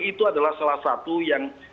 itu adalah salah satu yang